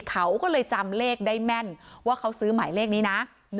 เขาก็เลยจำเลขได้แม่นว่าเขาซื้อหมายเลขนี้นะ